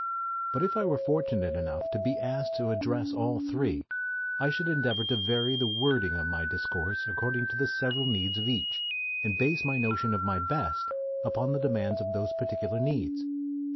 But if I were fortunate enough to be asked to address all three, I should endeavor to vary the wording of my discourse according to the several needs of each, and base my notion of my "best" upon the demands of those particular needs.